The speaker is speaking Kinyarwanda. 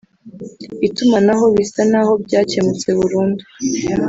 itumanaho bisa n’aho byakemutse burundu